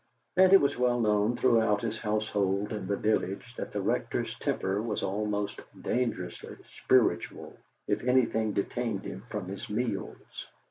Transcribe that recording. And it was well known throughout his household and the village that the Rector's temper was almost dangerously spiritual if anything detained him from his meals.